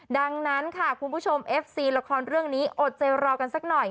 ดังนั้นค่ะคุณผู้ชมเอฟซีละครเรื่องนี้อดใจรอกันสักหน่อย